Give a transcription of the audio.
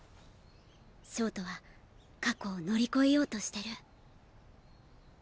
焦凍は過去を乗り越えようとしてる。